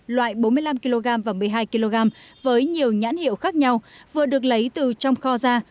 loại bốn mươi năm kg và một mươi hai kg với nhiều nhãn hiệu khác nhau vừa được lấy từ trong kho ra